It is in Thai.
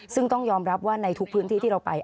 ซึ่งต้องยอมรับว่าในทุกพื้นที่ที่เราไป